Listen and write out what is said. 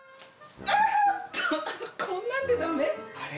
こんなんでダメ？